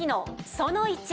その１。